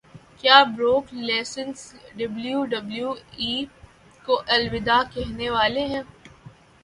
کیا Brock Lesnar W W E کو الوداع کہنے والے ہیں